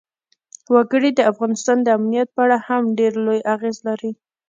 وګړي د افغانستان د امنیت په اړه هم ډېر لوی اغېز لري.